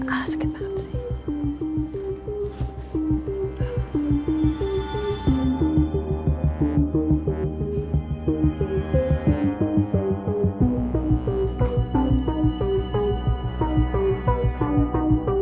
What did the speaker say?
asik banget sih